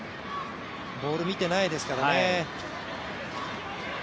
ボール見てないですからね。